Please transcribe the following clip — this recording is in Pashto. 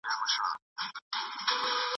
پوهه د انسان شخصيت ته وده ورکوي.